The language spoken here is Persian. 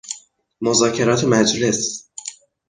مذاکرات مجلس